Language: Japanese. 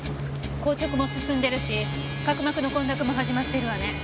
硬直も進んでるし角膜の混濁も始まっているわね。